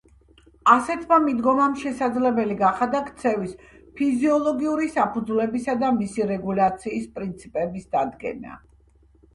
ასეთმა მიდგომამ შესაძლებელი გახადა ქცევის ფიზიოლოგიური საფუძვლებისა და მისი რეგულაციის პრინციპების დადგენა.